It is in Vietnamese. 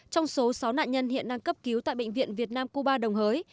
trong số sáu nạn nhân hiện đang cấp cứu tại bệnh viện việt nam cuba đồng hới